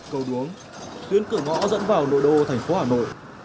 cầu đuống tuyến cửa ngõ dẫn vào nội đô thành phố hà nội